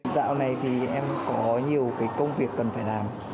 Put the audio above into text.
dạo này thì em có nhiều công việc cần phải làm